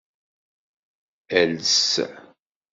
Els.